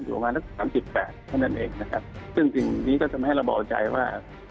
อยู่ประมาณสัก๓๘เท่านั้นเองนะครับซึ่งจริงนี้ก็จะทำให้เราบ่อใจว่า